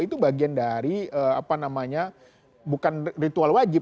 itu bagian dari apa namanya bukan ritual wajib